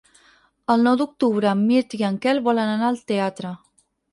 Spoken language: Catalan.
El nou d'octubre en Mirt i en Quel volen anar al teatre.